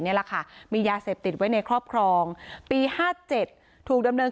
นี่แหละค่ะมียาเสพติดไว้ในครอบครองปี๕๗ถูกดำเนิน